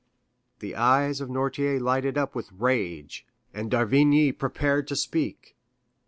The eyes of Noirtier lighted up with rage, and d'Avrigny prepared to speak.